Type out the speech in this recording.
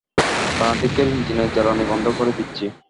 বাঁ-দিকের ইঞ্জিনের জ্বালানি বন্ধ করে দিচ্ছি।